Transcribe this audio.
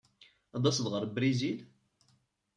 Ad d-taseḍ ɣer Brizil?